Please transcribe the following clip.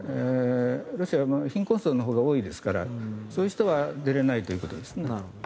ロシアも貧困層のほうが多いですからそういう人は出れないということですね。